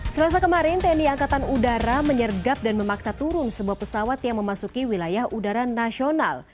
selasa kemarin tni angkatan udara menyergap dan memaksa turun sebuah pesawat yang memasuki wilayah udara nasional